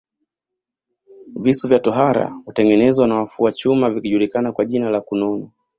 Visu vya tohara hutengenezwa na wafua chuma vikijulikana kwa jina la kunono